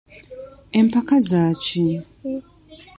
Empaka za ki?